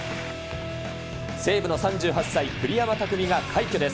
西武の３８歳栗山巧が快挙です。